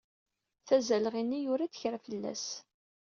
Tazalɣi-nni yura-d kra fell-as.